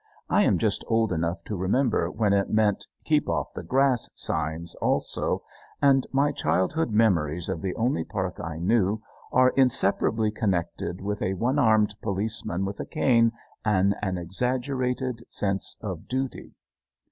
I am just old enough to remember when it meant "Keep Off the Grass" signs also, and my childhood memories of the only park I knew are inseparably connected with a one armed policeman with a cane and an exaggerated sense of duty.